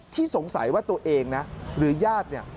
สงสัยว่าตัวเองนะหรือญาติเนี่ย